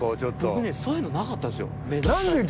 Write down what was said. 僕ねそういうのなかったんです。